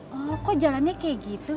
kok jalannya kayak gitu